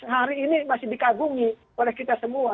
hari ini masih dikagumi oleh kita semua